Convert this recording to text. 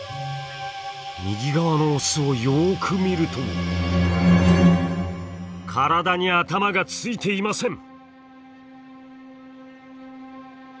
右側のオスをよく見ると体に頭がついていません！